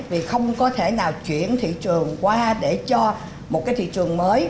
vì không có thể nào chuyển thị trường qua để cho một cái thị trường mới